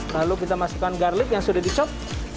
lalu kita masukkan garlic yang sudah dicop